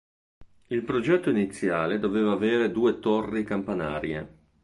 Il progetto iniziale doveva avere due torri campanarie.